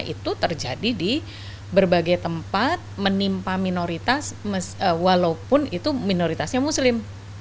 itu terjadi di berbagai tempat menimpa minoritas walaupun itu minoritasnya muslim